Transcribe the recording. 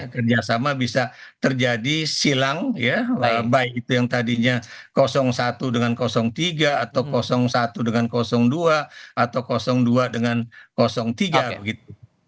kerjasama bisa terjadi silang ya baik itu yang tadinya satu dengan tiga atau satu dengan dua atau dua dengan tiga begitu